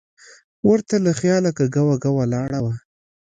ور ته له خیاله کوږه وږه ولاړه وه.